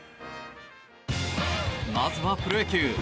まずはプロ野球。